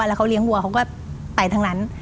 แล้วเขาเลี้ยงวัวเขาก็ไปทั้งนั้น